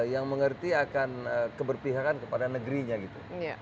yang mengerti akan keberpihakan kepada negerinya gitu